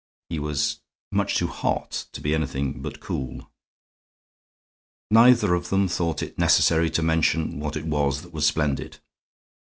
He was much too hot to be anything but cool. Neither of them thought it necessary to mention what it was that was splendid.